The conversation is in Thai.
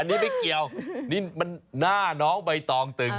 อันนี้ไม่เกี่ยวนี่มันหน้าน้องใบตองตึง